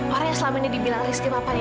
orang yang selama ini dibilang rizky papanya